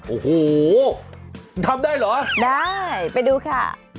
โอ้โหทำได้เหรอได้ไปดูค่ะ